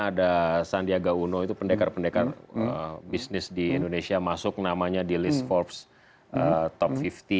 ada sandiaga uno itu pendekar pendekar bisnis di indonesia masuk namanya di list forbes top lima puluh